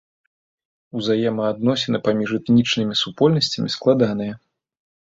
Узаемаадносіны паміж этнічнымі супольнасцямі складаныя.